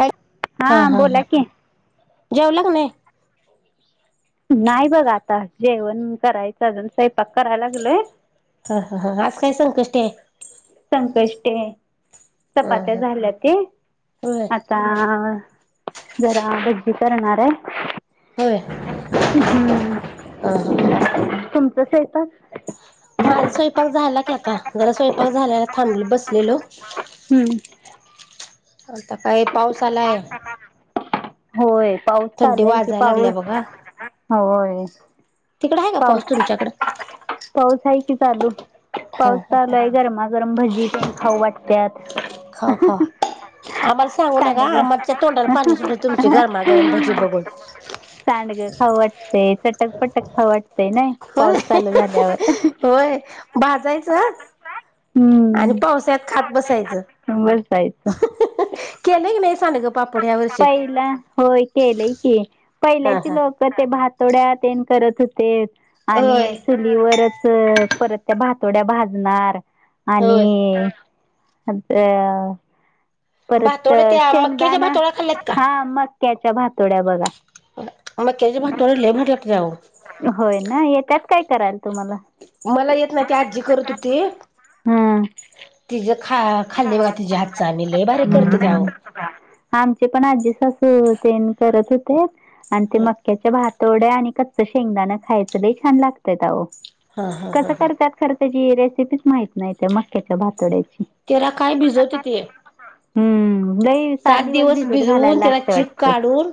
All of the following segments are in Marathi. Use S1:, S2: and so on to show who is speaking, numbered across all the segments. S1: हॅ हा हा
S2: बोला
S1: हा
S2: की
S1: जेवला का नाही?
S2: नाही बघा आता जेवण करायचं अजून स्वयंपाक कराय लागलोय.
S1: ह ह ह आज काय संकष्ट आहे.
S2: संकष्टी हाय
S1: हा
S2: चपात्या
S1: हा
S2: झाल्याते
S1: होय
S2: आ ता जरा भजी करणार आहे.
S1: होय
S2: हम्म
S1: हा हा हा
S2: तुमचं स्वयंपाक?
S1: माझा स्वयंपाक झाला की आता जरा स्वयंपाक झाल्याला थांबलं बसलेलो.
S2: हम्म.
S1: आता काय पाऊस आलाय.
S2: होय पाऊस
S1: थंडी
S2: चालाय की
S1: वाजायला लागल्या
S2: पाऊस,
S1: बघा
S2: होय.
S1: तिकडं हाय का पाऊस तुमच्याकडं?
S2: पाऊस आहे की चालू, पाऊस
S1: हा
S2: चालूय गरमागरम भजी तेन खाऊ वाटत्यात.
S1: खावा खावा. आम्हाला सांगू नका आम्हाच्या तोंडाला पाणी सुटत तुमची गरमागरम भजी बघून.
S2: सांडगं खाऊं वाटते चटक पटक खाऊं वाट ते नाही
S1: होय
S2: पाऊस चालू झाल्यावर.
S1: होय भाजायचं आणि
S2: हम्म
S1: पावसाळ्यात खात बसायचं
S2: बसायचं.
S1: केले की नाही सांडग?
S2: पहिला होय केलय की
S1: हा
S2: पहिल्याची
S1: हा
S2: लोक तर ते भातोड्या तेन करत होतेत
S1: होय
S2: आणि सु चुलीवरच परत त्या भातोड्या भाजणार आणि
S1: होय
S2: असं परत
S1: भातोड्या त्या मक्याच्या
S2: शेंगदाणा,
S1: भातोड्या खाल्ल्यात का?
S2: हा मक्याच्या भातोड्या बघा.
S1: मक्याच्या भातोड्या लय भारी लागत्यात अहो.
S2: होय ना येत्यात काय कराल?
S1: मला येत नाही ती आजी करत होती
S2: हा
S1: तिज खा खाल्ले बघा तिज्या हातचा आम्ही लय भारी करतेत्या व.
S2: हम्म. आमचे पण आजी सासू तेन करत होते आणि ते
S1: हा
S2: मक्या त्या भातोड्या आणि कच्च शेंगदा खायचं लई छान लागत्यात अहो
S1: हा हा
S2: कस करत्यात खरं त्याची रेसिपीच माहित नाही त्या मक्याच्या भातोड्याची.
S1: तेला काय भिजवतेती.
S2: हम्म लई सात दिवस भिजत घालायला
S1: भिजवून त्याला
S2: लागत
S1: चीक
S2: वाटत.
S1: काढून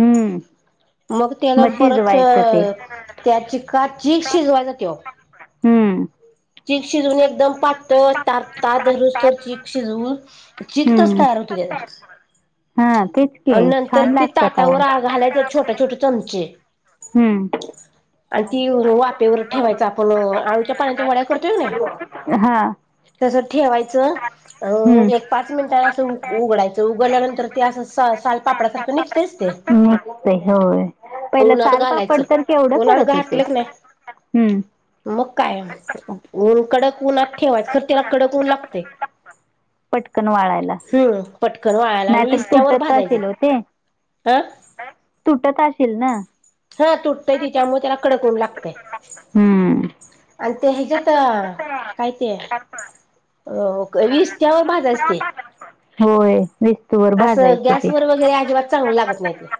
S2: हम्म.
S1: मग त्याला बरच
S2: शिजवायचं ते.
S1: त्या चिका चीक शिजवायचा त्यो.
S2: हम्म.
S1: चीक शिजून एकदम पातळ तार दुरुस्ततर तर चीक शिजवून चिक तच
S2: हम्म
S1: तयार होतोय तेजा.
S2: हा तेच.
S1: अन्
S2: की
S1: नंतर
S2: छान
S1: ती
S2: लागतात अहो.
S1: ताटावर घालायच छोटे छोटे चमचे.
S2: हम्म.
S1: आणि ती वापेवर ठेवायच आपण आळूच्या पानाच्या वड्या करतोय का नाही?
S2: हा.
S1: तसं ठेवायचं. अ
S2: हम्म.
S1: मग एक पाच मिनिटां असं उघडायचं उघडल्यानंतर ते असं [unintelligible] पापड्या सारखं निघतेच ते
S2: मस्त आहे होय पहिलं
S1: [unintelligible]
S2: सालपापड तर केवढं
S1: ऊनात
S2: करत होते
S1: घातलेच
S2: हम्म
S1: नाही [inaudible] मग काय. ऊन कडक ऊनात ठेवाय खर तिला कडक ऊन लागते.
S2: पटकन वाळायला
S1: [inaudible] हम्म पटकन वाळायला आणि
S2: नाहीतर
S1: इस्त्यावर
S2: तुटत
S1: भाजायचं
S2: असेल हो ते
S1: हा
S2: [inaudible] तुटत असेल ना.
S1: हा तुटतय तिच्यामूळ त्याला कडक ऊन लागतय.
S2: हम्म
S1: [inaudible] आणि ते ह्याच्यात काय ते अ ईस्त्यावर भाजायचं ते.
S2: होय. विस्तूवर
S1: असं
S2: भाजायचं ते
S1: गॅसवर वगैरे अजिबात चांगल लागत नाही ते.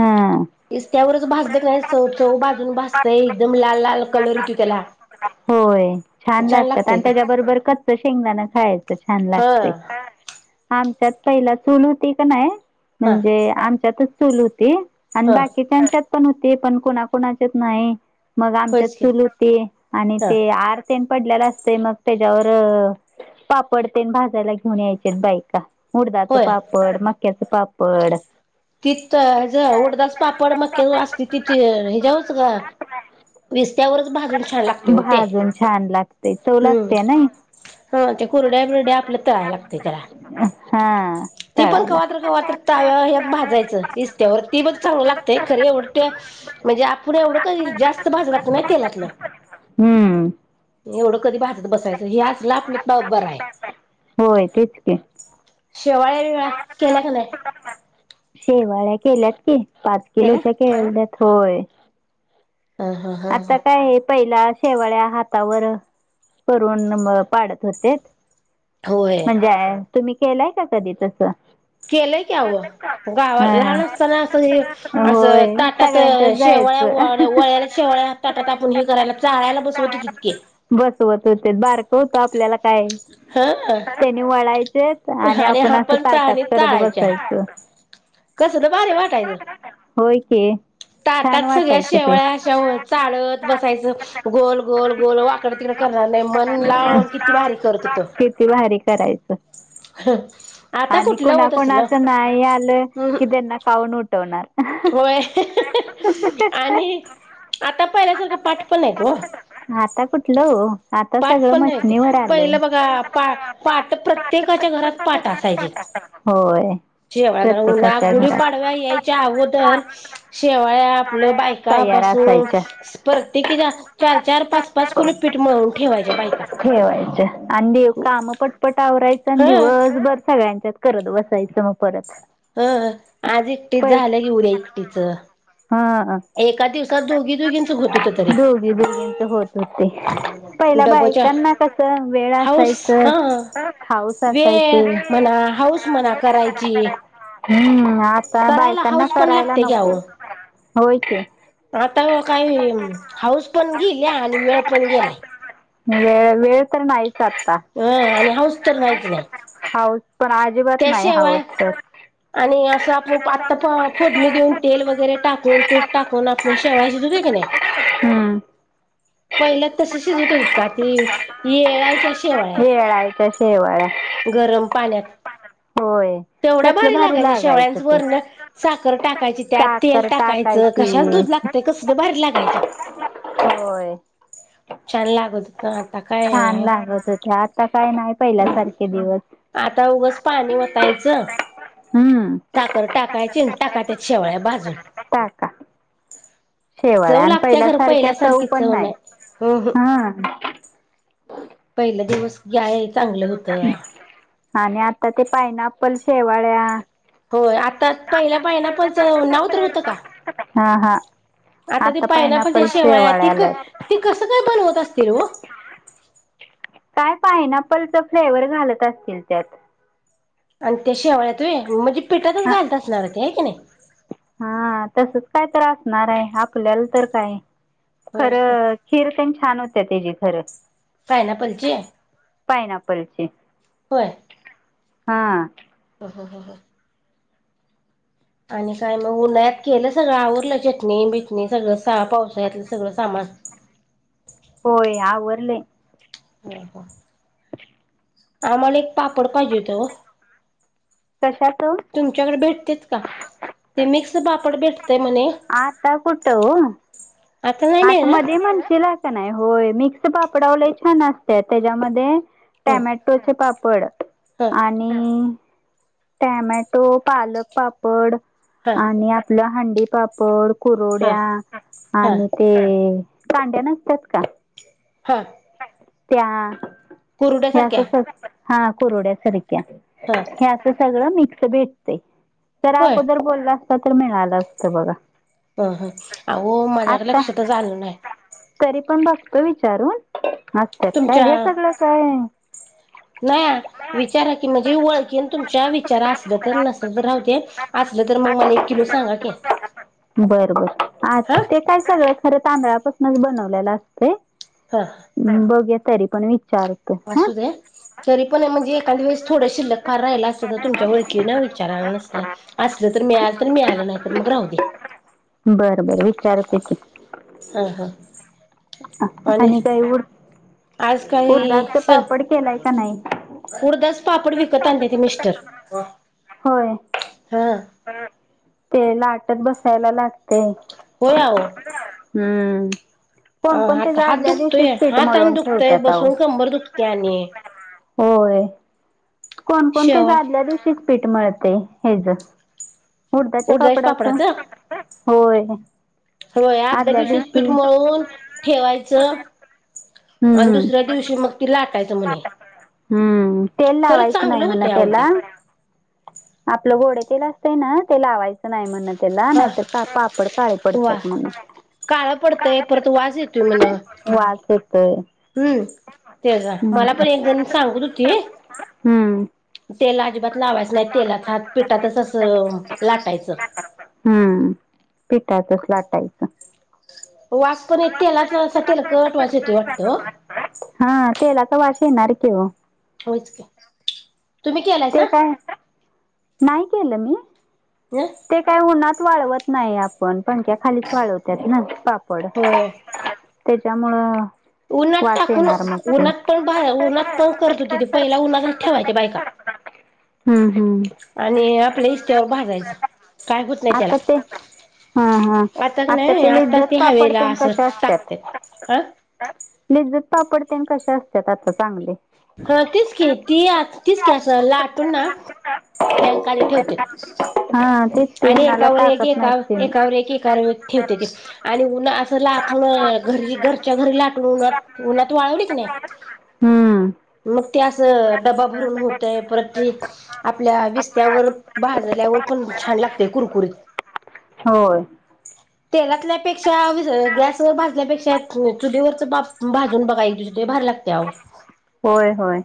S2: हा
S1: [inaudible] इस्त्यावरच भाजल का नाही चव चव बाजून भाजते एकदम लाल लाल कलर येतो त्याला.
S2: होय छान लागतात
S1: लागतंय
S2: आणि
S1: ते
S2: त्याच्याबरोबर कच्च शेंगदाणा खायचं छान
S1: हा
S2: लागते.
S1: [unintelligible]
S2: आमच्यात पहिला चूल होती का नाही,
S1: हा
S2: म्हणजे आमच्यातच चूल होती. आणि
S1: हा
S2: बाकीच्याच्यात पण होते पण कोणाकोणाच्यात नाही मग आमच्यात
S1: होयच की
S2: चुल होते आणि
S1: हा.
S2: ते आर तेन पडलेला असते मग त्याच्यावर पापड तेन भाजायला घेऊन यायचेत बाईका. उडदाचे
S1: होय
S2: पापड, माक्याच पापड.
S1: तीच त ह्याच उडदाचं पापड मक्याचं असत्यात ते ह्याच्यावर इस्त्यावर भाजून छान लागते हो ते,
S2: भाजून छान लागतंय चव
S1: हम्.
S2: लागते नाही
S1: हा ते कोरड्या बिरड्या आपल्या तळाय लागते त्याला.
S2: हा.
S1: ती पण
S2: तळायला
S1: कवात्र कवात्र ताव्या ह्या भाजायचं इस्त्यावर ती पण चांगल लागतंय खरे एवढट्या. म्हणजे आपण एवढं काई जास्त भाज लागत नाही तेलातलं.
S2: हम्म.
S1: एवढं कधी भाजत बसायचं हे असलं आपलंच त बर आहे.
S2: होय तेच की.
S1: शेवाळा [unintelligible] केल्या का नाही?
S2: शेवाळ्या केल्यात की पाच
S1: केल्या?
S2: किलोच्या केल्यात, होय.
S1: हा हा हा हा
S2: आता काय पहिला शेवाळ्या हातावर करून पाडत होते.
S1: होय.
S2: म्हणजे तुम्ही केलाय का कधी तस?
S1: केलंय की आवो, गावा लहान असताना असं हे असं
S2: होय
S1: ताटात
S2: सगळ्यांच्याच जायचं.
S1: शेवळ्याळ्या वळ्याला शेवळ्या ताटात आपण हे करायला चाळायला बसवत हो तितके.
S2: बसवत होते बारक होत आपल्याला काय.
S1: हा.
S2: त्यानी वळायचे आणि आपण असं ताटात तरट बसायच.
S1: कसंल भारीे वाटायचं.
S2: होय की. छान
S1: ताटात सगळ्या
S2: वाटायचं ते.
S1: शेवळ्या अशा हो चाळत बसायचं. गोल गोल गोल वाकड तिकड करणार नाही मन लावून किती भारी करत होतो.
S2: कीती भारी करायचं.
S1: आता
S2: आणि
S1: कुठलं होत असलं
S2: कोणाकोणाच नाही आलं
S1: हम्म
S2: कि त्यांना काऊन उठवणार.
S1: होय आणि आता पाहिल्यासारखं पाठ पण नाहीत हो.
S2: आता कुठलं वो, आता सगळं मशनीवर आलंय
S1: पाटं प्रत्येकाच्या घरात पाटं असायचीत.
S2: होय
S1: शेवाळ्या जरा उन्हात
S2: प्रत्येकाच्या
S1: गुढी
S2: घरात.
S1: पाडव्या यायच्या अगोदर, शेवाळ्या आपलं बायका
S2: तयार
S1: बसून,
S2: असायच्या.
S1: परतेकीच्या चार -चार, पाच- पाच किलो पीट मळून, ठेवायच्या बायका
S2: ठेवायचं आणि दे काम पटपट आवराय चं अन्
S1: ह
S2: दिवसभर सगळ्यांच्यात करत बसायचं मग परत.
S1: हं आज एकटीच
S2: पै
S1: झालं की, उद्या एकटीचं.
S2: हा
S1: दोघींच होत होत तरी
S2: दोघी दोघीचं होत होते. पहिला
S1: डबच्या
S2: बायकांना कसं वेळ
S1: हाऊस
S2: असायचं,
S1: हा
S2: हाऊस
S1: वेळ
S2: असायची,
S1: म्हणा हाऊस म्हणा करायची.
S2: हम्म आता
S1: करायला
S2: बायकांना
S1: हाऊस पण
S2: करायला
S1: लागते की
S2: नको.
S1: अहो
S2: होय की.
S1: आता वो काय हाऊस पण गेल्या आणि वेळ पण गेलाय.
S2: वेळ वेळ तर नाहीच. आता
S1: अं आणि हाऊस तर नाहीच नाही.
S2: हाऊस पण आज,
S1: त्या शेवळ्या आणि असं आपण आता फोडणी देऊन, तेल वगैरे टाकून, तूप टाकून, आपून शेवाळ्या शिजवतोय की नाही,
S2: हूं..
S1: पहिल्या तसं शिजवत होतीत का ते येळायच्या शेवाळ्या.
S2: येळायच्या. शेवाळ्या
S1: गरम पाण्यात
S2: होय
S1: तेवढ्या
S2: कसलं
S1: भारी लागायच्या
S2: लागायचं
S1: शेवळ्यांचं वरण साखर टाकायची त्यात. तेल
S2: साखर
S1: टाकायचं,
S2: टाकायची.
S1: कशाचं दूध लागतंय कसलं भारी लागायच्या.
S2: होय
S1: छान लागत हुतं.
S2: छान लागत होत्या, आता काय नाहीत. पहिला सारखे दिवस....
S1: आता उगच पाणी
S2: हूं...
S1: तर टाकायची अन् टाका त्यात शेवळ्या भाजून.
S2: टाका शेवाळ्या
S1: चव
S2: आणि
S1: लागत्या, खरं
S2: पहिल्यासारख्या
S1: पहिल्यासारखी
S2: पण
S1: चव नाही. हम
S2: हा.. हं.
S1: पहिले दिवस घ्या हे चांगलं होतं.
S2: आणि आत्ता ते पायनाप्पल शेवाळ्या,
S1: होय आत्ता पहिल्या पायनॅपलचं नाव तर हुतं का.
S2: हा हा
S1: आता ते पायनापलच्या शेवाळ्या, ते ते कसं काय बनवत असतील हो?
S2: काय पानपलचं फ्लेवर घालत असतील त्यात.
S1: आणि त्या शेवळ्यात होय म्हणजे पिठातच
S2: हा
S1: घालत असणार ते हाय का नाही.
S2: हा तसंच काय तर असणार आहे, आपल्याला तर काय.
S1: होय
S2: खरं... खीर तेन छान होत्या तेजी खरं.
S1: पायनापलची
S2: पायनापलची हा
S1: ह ह ह हा आणि काय मग उन्हाळ्यात केलं सगळं, आवरलं चटणी- बिटणी सगळं सा पावसाळ्यातलं सगळं सामान.?
S2: होय आवरलंय.
S1: [unintelligible] आम्हाला एक पापड पाहिजे होेत ओ.
S2: कश्याचं?
S1: तुमच्याकडे भेटतेत का? ते मिक्स पापड भेटतय म्हणे?
S2: आता कुठ ओ?
S1: आता नाही मिळणार
S2: आतमध्ये मंदिर हाय का नाही. होय, मिक्स पापडाव लय छान असत त्याच्यामध्ये टॉमॅटोचे पापड,
S1: हा
S2: आणि टॅमॅटो, पालक पापड
S1: हा
S2: आणि आपलं हंडी पाप प
S1: हा
S2: कुरोड्या
S1: हा
S2: आणि ते कांड्या नसतात का?
S1: हां
S2: त्या हे अस
S1: कुरुड्यासारख्या
S2: [unintelligible] हा कुरड्या सारख्या
S1: हां
S2: हे असं सगळं मिक्स भेटतेय. तर
S1: होय
S2: अगोदर बोलला असता तर मिळालं असतं बघा.
S1: ह ह अहो मला
S2: आता
S1: लक्षात च आलं नाही.
S2: तरी पण बघतो विचारून असत्यात काय?.
S1: तुमच्या
S2: हे सगळं काय
S1: [unintelligible] विचारा की, म्हणजे ओळखीन तुमच्या विचारा असलं तर नसल तर राहुदेत. असलं तर मग मला एक किलो सांगा की.
S2: बर बर आ
S1: हा
S2: ते काय सगळ खरं तांदळापासूनच बनवलेलं असतय.
S1: हा
S2: बघूया तरी पण विचार
S1: असू दे? तरी पण म्हणजे एखाद वेळेस थोडं शिल्लक फार राहिल असत तर तुमच्या ओळखींन विचाराल. नसलं असलं तर मिळालं तर मिळालं. नाही, तर मग राहू द्या.
S2: बर बर विचारते की.
S1: हा हा
S2: आ,
S1: आणि?
S2: काही उड
S1: आज काही
S2: उडदाचं पापड केलाय का नाही
S1: सग उडदाच पापड विकत आणतेत मिस्टर.
S2: होय.
S1: हा.
S2: ह ते लाटत बसायला लागतय.
S1: होय आव.
S2: हम्म. कोणकोणते
S1: हात हात
S2: आदल्या दिवशीच
S1: दुखतोय
S2: पीठ
S1: हात आणि
S2: मळवून ठेव
S1: दुखतोय
S2: त्यात आओ.
S1: बसून कंबर दुखते आणि
S2: होय. कोणकोणते
S1: शेवा
S2: आदल्या दिवशीच पीठ मिळतय ह्याच. उडदाच्या पापडाच. होय!
S1: होय, अदल्या
S2: आदल्या
S1: दिवशीच
S2: दिवशी
S1: पीठ मळून ठेवायचं आणि
S2: हम्म
S1: दुसऱ्या दिवशी मग लाटायचं म्हणे.
S2: हम्म तेल
S1: खरंच
S2: लावायचं नाही
S1: चांगलं होत
S2: म्हण
S1: ते आओ
S2: त्याला
S1: ते.
S2: आपलं गोडे तेल असत ना. ते लावायचं नाही म्हणत त्याला
S1: हा
S2: नाहीतर तर पापड काळे पडतात म्हणून.
S1: काळ पडतंय. परत वास येतोय म्हण
S2: वास येतोय
S1: हम्म. त्याचा. मला
S2: हम्म
S1: पण एक जण सांगत होती.
S2: हम्म.
S1: तेल अजिबात लावायचं नाही. तेलाच हात पिटातच असं लाटायचं.
S2: हम्म पिठातच लाटाईच.
S1: वास पण तेलाच असं तेलकट वास येते वाटतं ओ.
S2: हा तेलाचा वास येणार किव.
S1: होच की तुम्ही केलाय?
S2: ते काय, नाही केलं मी.
S1: ह.
S2: ते काही उन्हात वाळवत नाही आपण पंख्या खाली वाळवतात ना पापड
S1: होय
S2: त्याच्यामुळं
S1: उन्हात
S2: वास
S1: टाकून
S2: येणार मग ते
S1: उन्हात पण बाहे उन्हात पण करत होती पहिल उन्हातच ठेवायच्या बायका.
S2: हम्म हम्.
S1: आणि आपल्या इशत्यावर भाजायचं काय होत नाही त्याला.
S2: आता ते हा हा
S1: आता का
S2: आजकाल
S1: नाही
S2: ते
S1: आताच
S2: लिज्जत
S1: हवेला
S2: पापडते
S1: असं
S2: कसे असतात.
S1: टाकत्यात हा
S2: लिज्जत पापडते कसे असतात आता चांगले.
S1: ह तीच की ती तीच की असं लाटून ना. फँंन खाली ठेवते.
S2: हा तेच. ते
S1: आणि
S2: उन्हाला
S1: एकावर एक
S2: टाकत
S1: एका
S2: नाहीत ते
S1: एकावर एक एका ठेवते. ते आणि उन्हा अस लाटणं घरी घरच्या घरी लाटून उन्हात उन्हात वाळवली की नाही?
S2: हम्म
S1: मग ते असं डबा भरून होतय परत आपल्या विस्त्यावर भाजल्यावर पण छान लागते कुरकुरीत.
S2: होय.
S1: तेलातल्यापेक्षा गॅसवर भाजल्यापेक्षा चुलीवरच भाजून बघा एक लई भारी लागते आओ.
S2: होय होय.